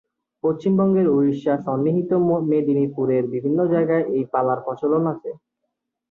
পশ্চিমবঙ্গের উড়িষ্যা-সন্নিহিত মেদিনীপুরের বিভিন্ন জায়গায় এই পালার প্রচলন আছে।